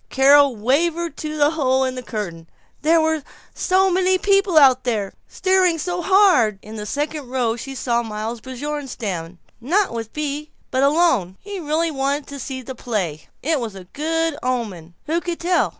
Carol wavered to the hole in the curtain. There were so many people out there, staring so hard In the second row she saw Miles Bjornstam, not with Bea but alone. He really wanted to see the play! It was a good omen. Who could tell?